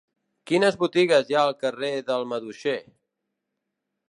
Quines botigues hi ha al carrer del Maduixer?